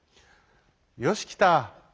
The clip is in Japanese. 「よしきた。